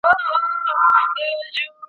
د اختر لمانځه نه ځنډیږي.